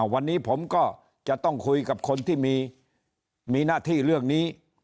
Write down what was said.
วันนี้ผมก็จะต้องคุยกับคนที่มีหน้าที่เรื่องนี้